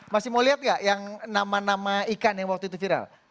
masih mau lihat nggak yang nama nama ikan yang waktu itu viral